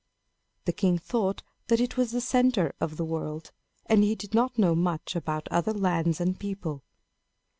The king thought that it was the center of the world, and he did not know much about other lands and people.